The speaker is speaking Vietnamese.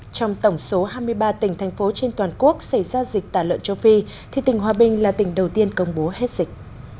trong tổng số hai mươi ba tỉnh thành phố trên toàn quốc xảy ra dịch tả lợn châu phi thì tỉnh hòa bình là tỉnh đầu tiên công bố hết dịch